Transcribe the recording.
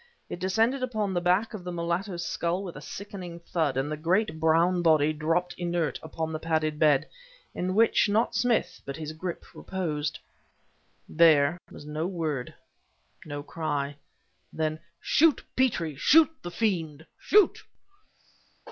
It descended upon the back of the mulatto's skull with a sickening thud, and the great brown body dropped inert upon the padded bed in which not Smith, but his grip, reposed. There was no word, no cry. Then: "Shoot, Petrie! Shoot the fiend! Shoot..."